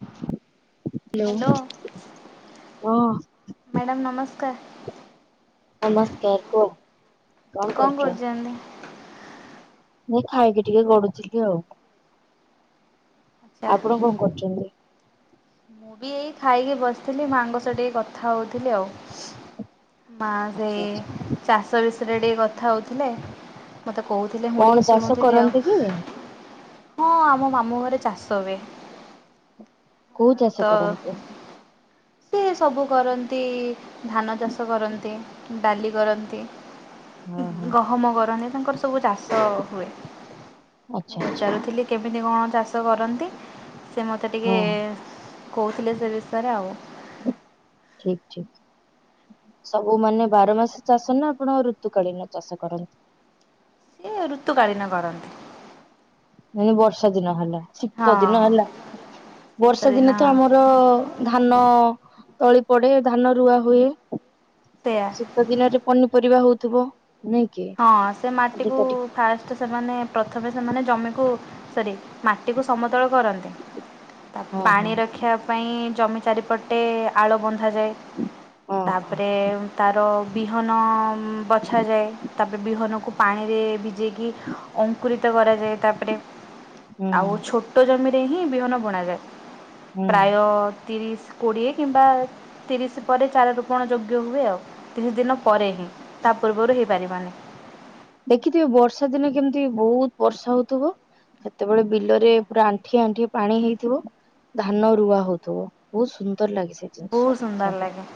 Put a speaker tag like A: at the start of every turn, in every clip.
A: [unintelligible] Hello ହଁ।
B: Madam ନମସ୍କାର।
A: ନମସ୍କାର କୁହ।
B: କଣ କରୁଛନ୍ତି?
A: ମୁ ଖାଇକି ଟିକେ ଗଡୁଥିଲି ଆଉ
B: ଆଚ୍ଛା
A: ଆପଣ କଣ କରୁଛନ୍ତି?
B: ମୁଁ ବି ଏଇ ଖାଇକି ବସିଥିଲି ମା ଙ୍କ ସହ ଟିକେ କଥା ହଉଥିଲି ଆଉ। ମା ସେ
A: ଆଚ୍ଛା ଆଚ୍ଛା
B: ଚାଷ ବିଷୟରେ ଟିକେ କଥା ହଉଥିଲେ। ମତେ କହୁଥିଲେ ମୁଁ
A: କଣ
B: ଟିକେ
A: ଚାଷ
B: ଶୁଣୁଥିଲି ଆଉ।
A: କରନ୍ତି କି?
B: [unintelligible] ହଁ ଆମ ମାମୁଁ ଘରେ ଚାଷ ହୁଏ।
A: କୋଉ ଚାଷ କରନ୍ତି।
B: ସିଏ ସବୁ କରନ୍ତି ଧାନ ଚାଷ କରନ୍ତି ଡାଲି କରନ୍ତି।
A: ହଁ ହଁ
B: ଗହମ କରନ୍ତି ତାଙ୍କର ସବୁ ଚାଷ ହୁଏ
A: ଆଚ୍ଛା
B: ମୁଁ
A: ଆଚ୍ଛା
B: ପଚାରୁଥିଲି। କେମିତି କଣ ଚାଷ କରନ୍ତି ସେ ମୋତେ
A: ହଁ
B: ଟିକିଏ କହୁଥିଲେ ସେ ବିଷୟରେ ଆଉ।
A: [unintelligible] ଠିକ୍ ଠିକ୍। ସବୁ ମାନେ ବାର ମାସ ଚାଷ ନା ଆପଣ ଋତୁକାଳୀନ ଚାଷ କରନ୍ତି?
B: ଏ ଋତୁକାଳୀନ କରନ୍ତି।
A: ମାନେ ବର୍ଷା ଦିନ ହେଲା
B: ହଁ
A: ଶୀତ ଦିନ ହେଲା ବର୍ଷା ଦିନ ତ ଆମର ଧାନ ତଳି ପଡେ ଧାନ ରୁଆ ହୁଏ।
B: ସେୟା
A: ଶୀତ ଦିନରେ ପନିପରିବା ହଉଥିବ ନାଇଁ କି।
B: ହଁ ସେ ମାଟିକୁ
A: ଅଧିକ ଟିକେ
B: ଫାଷ୍ଟ ସେମାନେ ପ୍ରଥମେ ସେମାନେ ଜମିକୁ ସରି ମାଟିକୁ ସମତଳ କରନ୍ତି। ତା
A: ହଁ
B: ପାଣି
A: ହଁ
B: ରଖିବା ପାଇଁ ଜମି ଚାରିପଟେ ଆଳ ବନ୍ଧାଯାଏ।
A: ହଁ ହଁ
B: ତାପରେ ତାର ବିହନ ବଛ ଯାଏ। ତାପରେ ବିହନକୁ ପାଣିରେ ଭିଜେଇକି ଅଙ୍କୁରିତ କରାଯାଏ। ତାପରେ
A: ହୁଁ
B: ଆଉ ଛୋଟ ଜମିରେ ହିଁ ବିହନ ବଣାଯାଏ।
A: ହୁଁ।
B: ପ୍ରାୟତଃ ତିରିଶ କୋଡ଼ିଏ କିମ୍ବା ତିରିଶ ପରେ ଚାର ରୋପଣ ଯୋଗ୍ୟ ହୁଏ ଆଉ ତିନି ଦିନ ପରେ ହିଁ ତା ପୂର୍ବରୁ ହେଇପାରିବନି।
A: ଦେଖିଥିବେ ବର୍ଷା ଦିନେ କେମିତି ବୋହୁତ ବର୍ଷା ହଉଥିବ। ସେତେବେଳେ ବିଲରେ
B: ଆଜ୍ଞା
A: ପୁରା ଆଣ୍ଠିଏ ଆଣ୍ଠିଏ ପାଣି ହେଇଥିବ ଧାନ ରୁଆ ହଉଥିବ ବୋହୁତ ସୁନ୍ଦର ଲାଗିସେ।
B: ବୋହୁତ ସୁନ୍ଦର ଲାଗେ।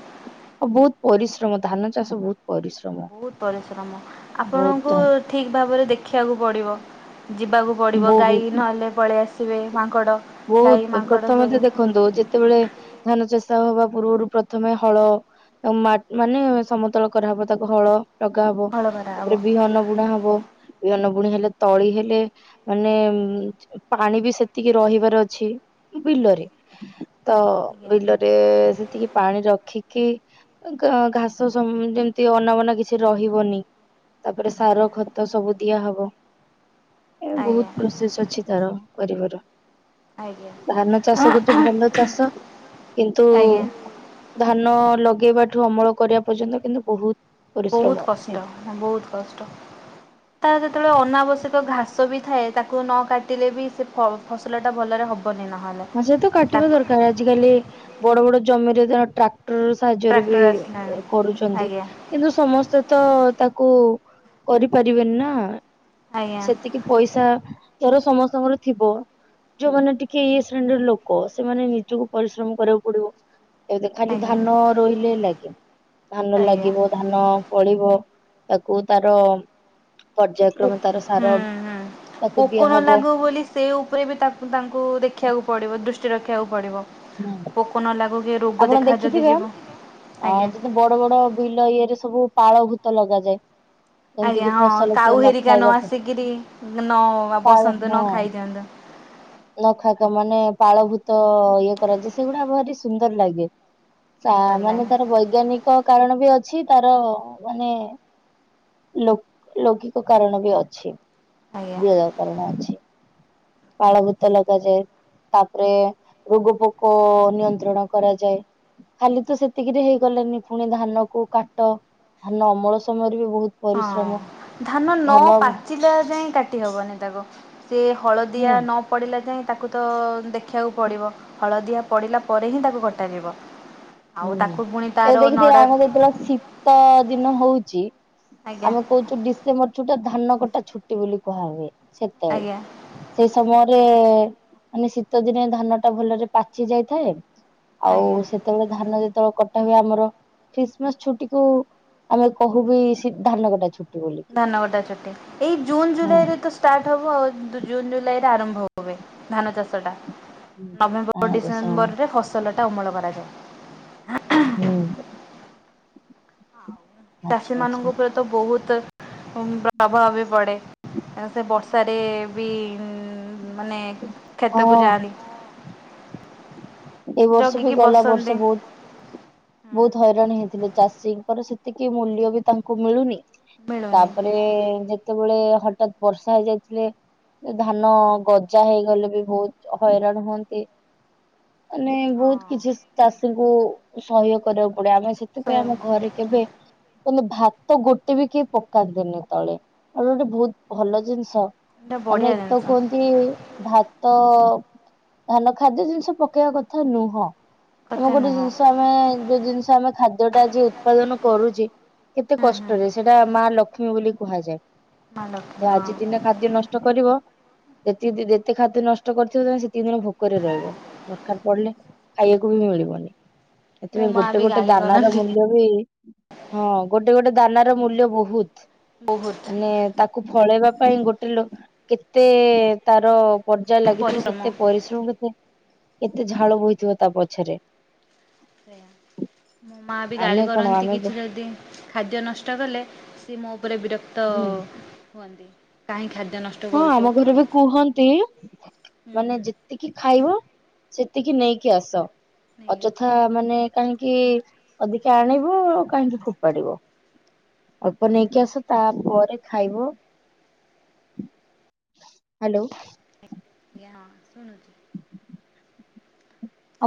A: ବୋହୁତ ପରିଶ୍ରମ ଧାନ ଚାଷ ବୋହୁତ ପରିଶ୍ରମ।
B: ବହୁତ ପରିଶ୍ରମ ଆପଣଙ୍କୁ
A: ବହୁତ
B: ଠିକ୍ ଭାବରେ ଦେଖିବାକୁ ପଡ଼ିବ। ଯିବାକୁ ପଡ଼ିବ ଗାଈ
A: ବହୁତ
B: ନହେଲେ ପଳେଇ ଆସିବେ ମାଙ୍କଡ଼। ଗାଈ
A: ବୋହୁତ
B: ମାଙ୍କଡ଼
A: ପ୍ରଥମ ତ
B: ସବୁ
A: ଦେଖ ଦେଖନ୍ତୁ ଯେତେବେଳେ ଧାନ ଚାଷ ହବା ପୂର୍ବରୁ ପ୍ରଥମେ ହଳ ମାନେ ସମତଳ କରାହବ ତାକୁ ହଳ ଲଗା ହବ
B: ହଳ କରାହବ
A: ତାପରେ ବିହନ ବୁଣା ହବ ବିହନ ବୁଣା ହେଲେ ତଳି ହେଲେ ମାନେ ପାଣି ବି ସେତିକି ରହିବା ରହିଛି ବିଲରେ ତ
B: ଆଜ୍ଞା
A: ବିଲରେ ସେତିକି ପାଣି ରଖିକି ଘାସ ଯେମିତି ଅନାବନା କିଛି ରହିବନି। ତାପରେ ସାର
B: ଆଜ୍ଞା
A: ଖତ ସବୁ ଦିଆ ହବ। ଏ
B: ଆଜ୍ଞା
A: ବୋହୁତ ପ୍ରୋସେସ ଅଛି ତାର କରିବାର।
B: ଆଜ୍ଞା।
A: ଧାନ ଚାଷ ଗୋଟେ ଭଲ ଚାଷ କିନ୍ତୁ
B: ଆଜ୍ଞା
A: ଧାନ ଲଗେଇବାଠୁ ଅମଳ କରିବା ପର୍ଯ୍ୟନ୍ତ କିନ୍ତୁ ବୋହୁତ
B: ବୋହୁତ କଷ୍ଟ ବୋହୁତ କଷ୍ଟ। ତାର ଯେତେବେଳେ ଅନାବଶ୍ୟକ ଘାସ ବି ଥାଏ। ତାକୁ ନ କାଟିଲେ ବି ସେ ଫସଲ ଟା ଭଲରେ ହବନି ନହେଲେ।
A: ହଁ ସେ ତ କାଟିବା
B: ତାକୁ
A: ଦରକାର ଆଜିକାଲି ବଡ ବଡ ଜମିରେ [unintelligible] ଟ ସାହାଯ୍ୟରେ ବି
B: ଟ୍ରାକ୍ଟର ଆସିଲାଣି
A: କରୁଛନ୍ତି।
B: ଆଜ୍ଞା
A: କିନ୍ତୁ ସମସ୍ତେ ତ ତାକୁ କରିପାରିବେନି ନା
B: ଆଜ୍ଞା
A: ସେତିକି ପଇସା ଧର ସମସ୍ତଙ୍କର ଥିବ ଯୋଉମାନେ ଟିକେ ଇଏ ସି ଶ୍ରେଣୀର ଲୋକ ସେମାନେ ନିଜକୁ ପରିଶ୍ରମ କରିବାକୁ ପଡିବ। ଏ ଖାଲି
B: ଆଜ୍ଞା
A: ଧାନ ରୋଇଲେ ହେଲାକି ଧାନ
B: ଆଜ୍ଞା
A: ଲାଗିବ ଧାନ ପଳିବ ତାକୁ ତାର
B: ହୁଁ
A: ପର୍ଯ୍ୟାୟକ୍ରମେ ତାର
B: ହୁଁ
A: ସାର ତାକୁ
B: ପୋକ ନ
A: ଦିଆହବ
B: ଲାଗୁ ବୋଲି ସେହି ଉପରେ ବି ତାକୁ ତାଙ୍କୁ ଦେଖିବାକୁ ପଡ଼ିବ ଦୃଷ୍ଟି ରଖିବାକୁ ପଡ଼ିବ।
A: ହୁଁ
B: ପୋକ ନ ଲାଗୁ କି ରୋଗ
A: ଆପଣ
B: ଦେଖା ଯଦି
A: ଦେଖିଥିବେ
B: ଯିବ
A: ଅ
B: ଆଜ୍ଞା।
A: ଯେତେ ବଡ ବଡ ବିଲ ଇଏରେ ସବୁ ପାଳ ଭୂତ ଲଗାଯାଏ। ଯେମିତି
B: ଆଜ୍ଞା
A: କିି
B: ହଁ
A: ଫସଲ କିଏ
B: କାଉ ହେରିକା ନ
A: ଖାଇବାକୁ
B: ଆସିକିରି ନ
A: ପାଳ
B: ବସନ୍ତୁ
A: ହଁ
B: ନ ଖାଇଦିଅନ୍ତୁ।
A: ନଖାକ ମାନେ ପାଳଭୂତ ଇଏ କରାଯାଏ ସେଗୁଡା ଭାରି ସୁନ୍ଦର ଲାଗେ।
B: ସୁନ୍ଦର
A: ମାନେ
B: ଲାଗେ
A: ତାର ବୈଜ୍ଞାନିକ କାରଣ ବି ଅଛି ତାର ମାନେ ଲ ଲୌକିକ କାରଣ ବି ଅଛି
B: ଆଜ୍ଞା।
A: ଦିଆଯାଉ। କାରଣ ଅଛି ପାଳ ଭୂତ ଲଗାଯାଏ। ତାପରେ ରୋଗୋକ କୁ ନିୟନ୍ତ୍ରଣ କରାଯାଏ। ଖାଲି ତ ସେତିକିରେ ହେଇଗଲଣିି ପୁଣି ଧାନ କୁ କାଟ ଧାନ ଅମଳ ସମୟରେ ବି ବୋହୁତ
B: ହଁ ଧାନ ନ ପାଚ ଚିଲା ଯାଏ କାଟି ହବନି ତାକୁ ସେ ହଳଦିଆ
A: ହୁଁ
B: ନ ପଡ଼ିଲା ଯାଏ ତାକୁ ତ ଦେଖିବାକୁ ପଡ଼ିବ। ହଳଦିଆ ପଡ଼ିଲା ପରେ ହିଁ ତାକୁ କଟାଯିବ। ଆଉ ତାକୁ ପୁଣି
A: ଏ
B: ତାର
A: ଦେଖିଥ
B: ନଡ଼ା
A: ଆମର ଯେତେବେଳେ ଶୀତ ଦିନ ହଉଚି
B: ଆଜ୍ଞା
A: ଆମ କୁ ଯୁ ଡିସେମ୍ବର ଛୁଟି ଧାନ କଟା ଛୁଟି ବୋଲି କୁହାଯାଏ ସେତେବେଳେ।
B: ଆଜ୍ଞା
A: ସେ ସମୟରେ ମାନେ ଶୀତ ଦିନେ ଧାନ ଟା ଭଲରେ ପାଚି ଯାଇଥାଏ।
B: ଆଜ୍ଞା
A: ଆଉ ସେତେବେଳେ ଧାନ ଯେତେବେଳେ କଟା ହୁଏ ଆମର ଖ୍ରୀଷ୍ଟମାସ ଛୁଟି କୁ ଆମେ କହୁ ବି ସେ ଧାନକଟା ଛୁଟି। ବୋଲିକି
B: ଧାନକଟା ଛୁଟି ଏଇ ଜୁନ
A: ହଁ
B: ଜୁଲାଇ ରେ ତ ଷ୍ଟାର୍ଟ ହେବ ଆଉ ଜୁନ୍ ଜୁଲାଇରେ ଆରମ୍ଭ ହୁଏ ଧାନ ଚାଷଟା। ନଭେମ୍ବର
A: ଧାନ ଚାଷ
B: ଡିସେମ୍ବର ରେ ଫସଲ ଟା ଅମଳ କରାଯାଏ।
A: ହୁଁ।
B: ଚାଷୀ
A: ଆଚ୍ଛା ଆଚ୍ଛା
B: ମାନଙ୍କ ଉପରେ ତ ବହୁତ ପ୍ରଭାବ ପଡେ। ସେ ବର୍ଷାରେ ବି ମାନେ
A: ହଁ
B: କ୍ଷେତକୁ ଯାଆନ୍ତି।
A: ଏ ବର୍ଷ ବି
B: ଜଗିକି
A: ଗଲା
B: ବସନ୍ତି
A: ବର୍ଷ ବହୁତ। ବହୁତ ହଇରାଣ ହେଇଥିଲେ ଚାଷୀଙ୍କର ସେତିକି ମୂଲ୍ୟ ବି ତାଙ୍କୁ ମିଳୁନି।
B: ମିଳୁନି
A: ତାପରେ ଯେତେବେଳେ ହଠାତ୍ ବର୍ଷା ହେଇଯାଇଥିଲେ ଧାନ ଗଜା ହେଇଗଲେ ବି ବହୁତ ହଇରାଣ ହୁଅନ୍ତି। ମାନେ
B: ହଁ।
A: ବହୁତ କିଛି ଚାଷୀଙ୍କୁ ସହ୍ୟ କରିବାକୁ ପଡେ ଆମେ ସେ ଥିପାଇଁ ଆମ ଘରେ କେବେ କିନ୍ତୁ ଭାତ ଗୋଟେ ବି କେହି ପକାନ୍ତିନି ତଳେ ଏଇଟା ଗୋଟେ ବହୁତ ଭଲ ଜିନିଷ। ମାନେ
B: ବଢ଼ିଆ
A: ଏଇଟି ତ
B: ଜିନିଷ
A: କୁହନ୍ତି ଭାତ ଧାନ ଖାଦ୍ୟ ଜିନିଷ ପ କେଇବା କଥା ନୁହଁ ଆମେ
B: କଥା
A: ଗୋଟେ
B: ନୁହଁ।
A: ଜିନିଷ ଆମେ ଯୋଉ ଜିନିଷ ଆମେ ଖାଦ୍ୟ ଟା ଆଜି ଉତ୍ପାଦନ କରୁଛି। କେତେ
B: ହୁଁ ହୁଁ
A: କଷ୍ଟରେ ସେଟା ମା ଲକ୍ଷ୍ମୀ ବୋଲି କୁହାଯାଏ।
B: ମା ଲକ୍ଷ୍ମୀ
A: ତ
B: ହଁ
A: ଆଜି ଦିନେ ଖାଦ୍ୟ ନ ଷ୍ଟ କରିବ ଯେତି ଯେତେ ଖାଦ୍ୟ ନଷ୍ଟ କରିଥିବ ତେ ସେତିକି ଦିନ ଭୋକରେ ରହିବ। ଖାଦ୍ଯ ପଡିଲେ ଖାଇବାକୁ ବି ମିଳିବନି
B: ମୋ
A: ସେଥିପାଇଁ
B: ମା
A: ଗୋଟେ
B: ବି
A: ଗୋଟେ
B: ଗାଳି
A: ଦାନ ର
B: କରନ୍ତି
A: ମୂଲ୍ୟ ବି ହଁ ଗୋଟେ ଗୋଟେ ଦାନାର ମୂଲ୍ୟ ବହୁତ।
B: ବହୁତ।
A: ମାନେ ତା କୁ ଫଳେଇବା ପାଇଁ ଗୋଟେ ଲ କେତେ ତାର ପର୍ଯ୍ୟାୟ ଲାଗିଥିବ
B: ପରିଶ୍ରମ
A: କେତେ ପରିଶ୍ରମ କେତେ କେତେ ଝାଳ ବହିଥିବ ତା ପଛରେ।
B: ମାଆ ବି ଗାଳି
A: ଆମେ କଣ
B: କରନ୍ତି
A: ଆମେ
B: କିଛି ଯଦି ଖାଦ୍ୟ ନଷ୍ଟ କଲେ ସିଏ ମୋ ଉପରେ ବିରକ୍ତ
A: ହୁଁ
B: ହୁଅନ୍ତି। କାହିଁ ଖାଦ୍ୟ ନଷ୍ଟ
A: ହଁ
B: କରୁଛୁ
A: ଆମ ଘରେ ବି କୁହନ୍ତି।
B: ହୁଁ
A: ମାନେ
B: ହୁଁ
A: ଯେ ଯେତିକି ଖାଇବ ସେତିକି ନେଇକି ଆସ
B: ନେଇକି ଆସ
A: ଅଯଥା ମାନେ କାହିଁକି ଅଧିକା ଆଣିବ ଆଉ କାହିଁକି ଫୋପାଡିବ। ଅଳ୍ପ
B: ଆଜ୍ଞା
A: ନେଇକି ଆସ। ତାପରେ ଖାଇବ। ହ୍ୟାଲୋ।
B: ଆଜ୍ଞା ହଁ ଶୁଣୁଛି।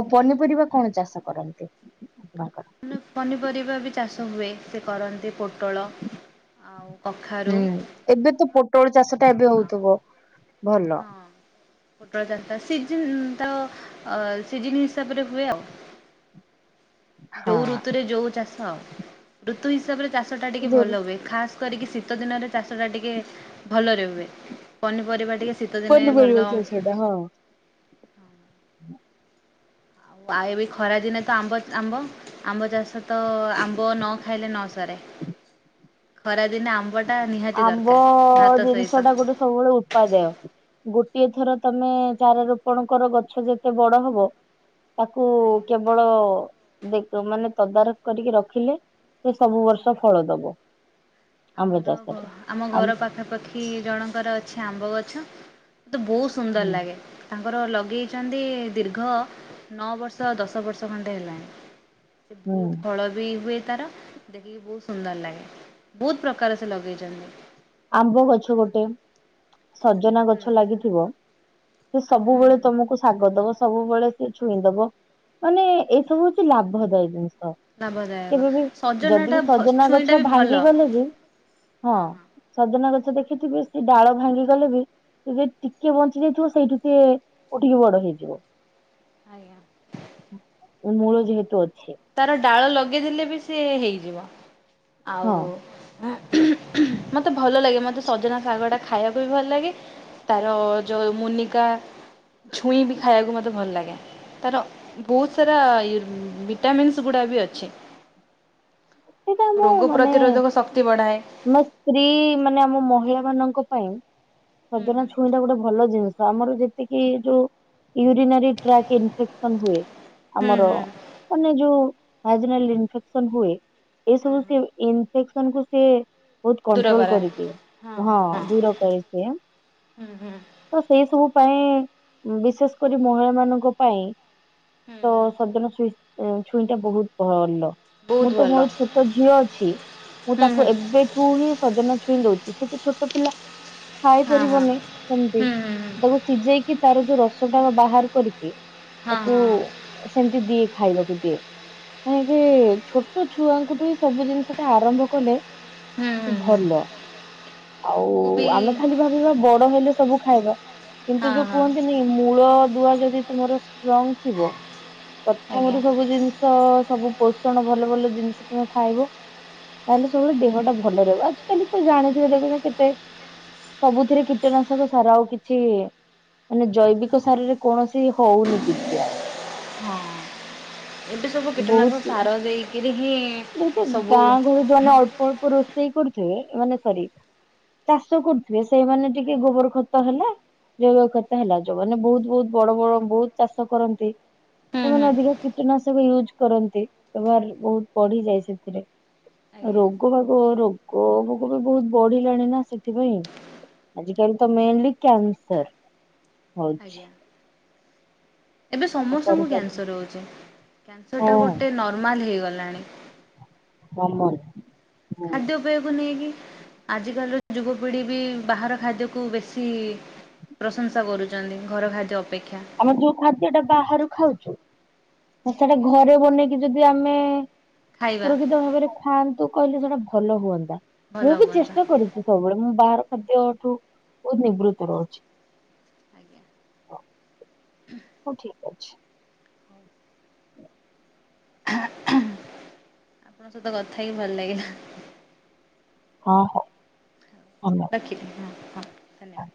A: ଆଉ ପନିପରିବା କଣ ଚାଷ କରନ୍ତି ଆପଣଙ୍କର?
B: ପନିପରିବା ବି ଚାଷ ହୁଏ। ସେ କରନ୍ତି ପୋଟଳ ଆଉ କଖାରୁ
A: ହୁଁ ଏବେ ତ ପୋଟଳ ଚାଷ ଟା ଏବେ
B: ଆଉ
A: ହଉଥିବ ଭଲ।
B: ହଁ ପୋଟଳ ଚାଷ ଟା ସିଜିନ୍ ତ ଅ ସିଜିନ୍ ହିସାବରେ ହୁଏ ଆଉ।
A: ହଁ
B: ଯୋଉ ଋତୁରେ ଯୋଉ ଚାଷ ଆଉ। ଋତୁ ହିସାବରେ ଚାଷଟା ଟିକେ
A: ଯୋଉ
B: ଭଲ ହୁଏ ଖାସ୍ କରିକି ଶୀତ ଦିନରେ ଚାଷଟା ଟିକେ ଭଲରେ ହୁଏ। ପନିପରିବା ଟିକେ ଶୀତ ଦିନେ ଭଲ।
A: ଏ ହଁ
B: ପାଇବି ଖରା ଦିନେ ତ ଆମ୍ବ ଆମ୍ବ। ଆମ୍ବ ଚାଷ ତ ଆମ୍ବ ନ ଖାଇଲେ ନ ସରେ ଖରାଦିନେ ଆମ୍ବ ବଟା ନିହାତି
A: ଆମ୍ବ
B: ଦରକାର ଭାତ
A: ଜିନିଷ
B: ସହିତ।
A: ଟା ଗୋଟେ ସବୁବେଳେ ଉତ୍ପାଦାୟ ଗୋଟିଏ ଥର ତମେ ଚାରା ରୋପଣ କର ଗଛ ଯେତେ ବଡ ହବ ତାକୁ
B: ଆଜ୍ଞା।
A: କେବଳ ଦେକିବ ମାନେ ତଦାରଖ କରିକି ରଖିଲେ ସେ ସବୁ ବର୍ଷ ଫଳ ଦବ ଆମ୍ବ
B: ଆମର ଗ
A: ଚାଷରେ।
B: ଆମ
A: ଆମ୍
B: ଘର ପାଖ ପାଖାପାଖି ଜଣଙ୍କର ଅଛି ଆମ୍ବ ଗଛ ମତେ ବହୁତ ସୁନ୍ଦର ଲାଗେ ତାଙ୍କର ଲଗେଇଛନ୍ତି ଦୀର୍ଘ ନଅ ବର୍ଷ ଦଶ ବର୍ଷ ଖଣ୍ଡେ ହେଲାଣି
A: ହୁଁ
B: ବହୁତ ଫଳ ବି ହୁଏ ତାର ଦେଖିକି ବହୁତ ସୁନ୍ଦର ଲାଗେ ବହୁତପ୍ର କାର ସେ ଲଗେଇଛନ୍ତି
A: ଆମ୍ବ ଗଛ ଗୋଟେ ସଜନା
B: ହୁଁ
A: ଗଛ ଲାଗିଥିବ ସେ
B: ହୁଁ
A: ସବୁବେଳେ ତମକୁ ଶାଗ ଦବ ସବୁବେଳେ ସିଏ ଛୁଇଁ ଦବ ମାନେ ଏଇ ସବୁ ହଉଛି ଲାଭଦାୟ ଜିନିଷ
B: ଲାଭଦାୟକ।
A: କେବେ ବି ଯଦି
B: ସଜନାଟା
A: ବି ସଜନା
B: ଛୁଇଁଟା
A: ଗଛ
B: ବି ଭଲ
A: ଭାଙ୍ଗିଗଲେ ବି ହଁ ସଜନା ଗଛ ଦେଖିଥିବେ ସେ ଡାଳ ଭାଙ୍ଗି ଗଲେ ବି ସେ ଯେ ଟିକେ ବଞ୍ଚି ଯାଇଥିବ ସେଇଠୁ ସିଏ ଉଠିକି ବଡ ହେଇଯିବ
B: ଆଜ୍ଞା
A: ମୂଳ ଯେହେତୁ ଅଛି
B: ତାର ଡାଳ ଲଗେଇଦଲେ ବି ସେ ହେଇଯିବ
A: ହଁ
B: ଆଉ ମତେ ଭଲ ଲାଗେ ମତେ ସଜନା ଶାଗ ଟା ଖାଇବାକୁ ବି ଭଲ ଲାଗେ ତାର ଯଉ ମୁନିକା ଛୁଇଁ ବି ଖାଇବାକୁ ମତେ ଭଲ ଲାଗେ ତାର ବହୁତ ସାରା ଇ ଭିଟାମିନ୍ସ ଗୁଡା ବି ଅଛି
A: ସେଇଟା
B: ରୋଗ ପ୍ରତିରୋଧକ ଶକ୍ତି ବଢାଏ
A: ମୋ ସ୍ତ୍ରୀ ମାନେ ଆମ ମହିଳା ମାନଙ୍କ ପାଇଁ
B: ହୁଁ
A: ସଜନା
B: ହୁଁ।
A: ଛୁଇଁଟା ଗୋଟେ ଭଲ ଜିନିଷ ତ ଆମର ଯେତିକି ଯୋଉ ୟୁରିନାରୀ ଟ୍ରାକ୍ ଇନଫେକ୍ସନ ହୁଏ
B: ହୁଁ
A: ଆମର
B: ହୁଁ।
A: ମାନେ ଯଉ ଭାଜିନାଲ ଇନଫେକ୍ସନ୍ ହୁଏ
B: ହଁ
A: ଏସବୁ
B: ହଁ।
A: ସିଏ ଇନଫେକ୍ସ ସନ୍ କୁ ସେ ବହୁତ
B: ଦୂର
A: କଣ୍ଟ୍ରୋଲ
B: କରାଏ।
A: କରିଦିଏ ହଁ ଦୂର କରେ ସିଏ
B: ହୁଁ ହୁଁ ହୁଁ
A: ତ ସେଇ ସବୁ ପାଇଁ ବିଶେଷ କରି ମହିଳା ମାନଙ୍କ ପାଇଁ ତ
B: ହୁଁ।
A: ସଜନ ଛୁଇଁ ଏଁ ଛୁଇଁ ଟା ବହୁତ ଭଲ
B: ବହୁତ
A: ମୁଁ ତ
B: ଭଲ।
A: ମୋ ଛୋଟ ଝିଅ ଅଛି ମୁଁ
B: ହୁଁ
A: ତାକୁ
B: ହୁଁ
A: ଏବେଠୁ ହିଁ ସଜନ ଛୁଇଁ ଦଉଛି ସେ ତ ଛୋଟ ପିଲା ଖାଇ
B: ହଁ ହଁ
A: ପାରିବନି ସେମତି
B: ହୁଁ ହୁଁ ହୁଁ
A: ତାକୁ ସିଝେଇକି ତାର ଯୋଉ ରସ ଟା ବାହାର କରିକି
B: ହଁ
A: ତାକୁ
B: ହଁ।
A: ସେମିତି ଦିଏ ଖାଇବାକୁ ଦିଏ କାହିଁକି ଛୋ ଟ ଛୁଆଙ୍କୁଠୁ ହିଁ ସବୁ ଜିନିଷ ଟା ଆରମ୍ଭ କଲେ
B: ହୁଁ ହୁଁ ହୁଁ
A: ଭଲ ଆଉ
B: ମୁଁ ବି
A: ଆମେ ଖାଲି ଭାବ ପୁରା ବଡ ହେଲେ ସବୁ ଖାଇବା କିନ୍ତୁ
B: ହଁ
A: ଯୋଉ
B: ହଁ
A: କୁହନ୍ତି ନା ନ୍ତି ମୂଳ ଦୁଆ ଯଦି ତମର ଷ୍ଟ୍ରଙ୍ଗ ଥିବ ପ୍ରଥମରୁ
B: ଆଜ୍ଞା।
A: ସବୁ ଜିନିଷ ସ ସବୁ ପୋଷଣ ଭଲ ଭଲ ଜିନିଷ ତୁମେ ଖାଇବ ତାହେଲେ ସବୁବେଳେ ଦେହଟା ଭଲ ରହିବ ଆଜିିକାଲି ତ ଜାଣିଥିବେ ଦେଖୁନ କେତେ ସବୁଥିରେ କୀଟନାଶକ ସାର ଆଉ କିଛି ମାନେ ଜୈବିକ ସାରରେ କୌଣସି ହଉନି କିଛି ଆଉ
B: ହଁ ଏବେ ସବୁ କୀଟନାଶକ ସାର ଦେଇକିରି
A: ଯେମିତି
B: ସବୁ
A: ଗାଁ
B: ହୁଁ
A: ଗହଳି ଯୋଉମାନେ ଅଳ୍ପ ଅଳ୍ପ ରୋଷେଇ କରୁଥିବେ ଏମାନେ ସରି ଚାଷ କରୁଥିବେ ସେଇମାନେ ଟିକେ ଗୋବର ଖତ ହେଲେ ଜୈବକ ଖତ ହେଲା ଯୋଉମାନେ ବହୁତ୍ ବହୁତ୍ ବଡ ବଡ ବହୁତ୍ ଚାଷ କରନ୍ତି। ସେମାନେ
B: ହୁଁ।
A: ଅଧିକା କୀଟନାଶକ ୟୁଜ କରନ୍ତି ବ୍ୟବହାର ବହୁତ୍ ବଢିଯାଏ ସେଥିରେ।
B: ଆଜ୍ଞା
A: ରୋଗ ବାଗ ରୋଗ ଭୋଗ ବି ବହୁତ ବଢିଲାଣି ନା ସେଥିପାଇଁ। ଆଜି କାଲି ତ ମେନଲି କ୍ୟାନସର ହଉଛି।
B: ଆଜ୍ଞା ଏବେ ସମସ୍ତଙ୍କୁ କ୍ୟାନସର ହେଉଛି କ୍ୟାନସରଟା
A: ହଁ
B: ଗୋଟେ ନର୍ମାଲ୍ ହେଇଗଲାଣି।
A: କମନ। ହଁ
B: ଖାଦ୍ୟ ପେୟ କୁ ନେଇକି ଆଜିକାଲିର ଯୁବପିଢ଼ି ବି ବାହାର ଖାଦ୍ୟକୁ ବେଶୀ ପ୍ରଶଂସା କରୁଛନ୍ତି ଘରଖାଦ୍ୟ ଅପେକ୍ଷା।
A: ଆମେ ଯୋଉ ଖାଦ୍ୟ ଟା ବାହାରୁ ଖାଉଛୁ ସେଇଟା
B: ଆଜ୍ଞା।
A: ଘରେ ବନେଇକି ଯଦି ଆମେ
B: ଖାଇବା
A: ସୁରକ୍ଷିତ ଭାବରେ ଖାଆନ୍ତୁ କହିଲେ ସେଟା ଭଲ ହୁଅନ୍ତା
B: ଭଲ
A: ମୁଁ ବି
B: ହୁଅନ୍ତା
A: ଚେଷ୍ଟା କରୁଛି। ସବୁବେଳେ ମୁଁ ବାହାର ଖାଦ୍ୟଠୁ ବହୁତ୍ ନିବୃତ୍ତ ରହୁଛି।
B: ଆଜ୍ଞା। ହୁଁ।
A: ହୋଉ ଠିକ୍ ଅଛି।
B: ହେଁ ହେଁ ଆପଣଙ୍କ ସହିତ କଥା ହେଇକି ଭଲ ଲାଗିଲା।
A: ହଁ ହୋ ହ [unintelligible]
B: ରଖିଲି ହଁ ହଁ ଧନ୍ୟବାଦ।